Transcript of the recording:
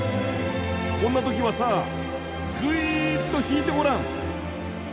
こんな時はさぐいっと引いてごらん。